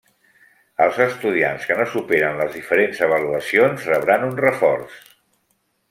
Els estudiants que no superen les diferents avaluacions rebran un reforç.